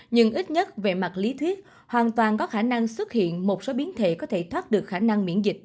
nhưng ít nhất về mặt lý thuyết hoàn toàn có khả năng xuất hiện một số biến thể có thể thoát được khả năng miễn dịch